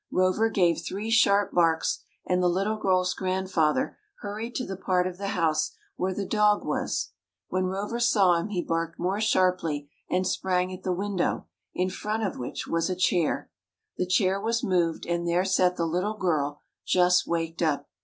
Rover gave three sharp barks, and the little girl's grandfather hurried to the part of the house where the dog was. When Rover saw him he barked more sharply, and sprang at the window, in front of which was a chair. The chair was moved, and there sat the little girl, just waked up.